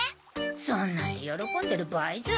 そんなんで喜んでる場合じゃ。